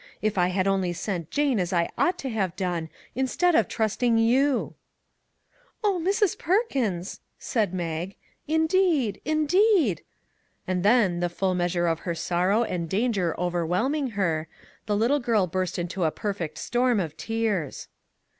If I had only sent Jane, as I ought to have done, instead of trusting you !"" O Mrs. Perkins !" said Mag :" indeed, in deed !" and then, the full measure of her sor row and danger overwhelming her, the little girl burst into a perfect storm of tears.